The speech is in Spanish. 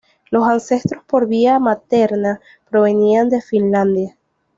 Los ancestros por vía materna provenían de Finlandia.